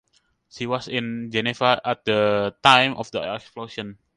She was in Geneva at the time of the explosion.